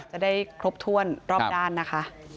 จะได้ครบถ้วนรอบด้านนะคะ